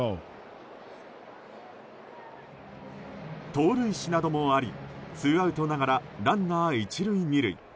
盗塁死などもありツーアウトながらランナー１塁２塁。